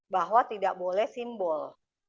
bahwa tidak boleh simbol